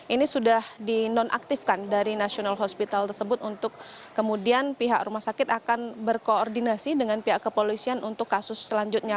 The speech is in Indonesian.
ini sudah dinonaktifkan dari national hospital tersebut untuk kemudian pihak rumah sakit akan berkoordinasi dengan pihak kepolisian untuk kasus selanjutnya